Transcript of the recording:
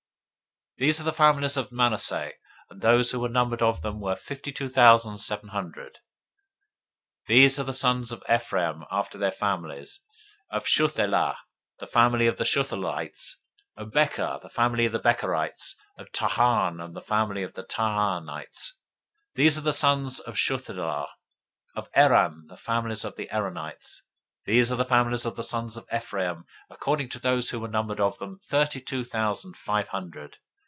026:034 These are the families of Manasseh; and those who were numbered of them were fifty two thousand seven hundred. 026:035 These are the sons of Ephraim after their families: of Shuthelah, the family of the Shuthelahites; of Becher, the family of the Becherites; of Tahan, the family of the Tahanites. 026:036 These are the sons of Shuthelah: of Eran, the family of the Eranites. 026:037 These are the families of the sons of Ephraim according to those who were numbered of them, thirty two thousand five hundred.